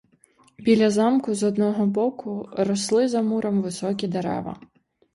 Біля замку з одного боку росли за муром високі дерева.